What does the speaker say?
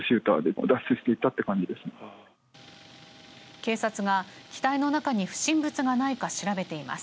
警察が機体の中に不審物がないか調べています。